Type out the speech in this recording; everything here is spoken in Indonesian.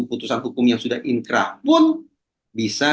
putusan hukum yang sudah inkrah pun bisa